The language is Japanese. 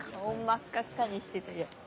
真っ赤っかにしてた奴。